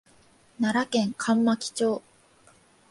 奈良県上牧町